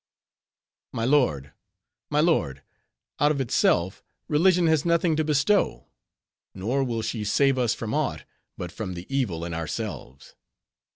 "My lord! my lord! out of itself, Religion has nothing to bestow. Nor will she save us from aught, but from the evil in ourselves.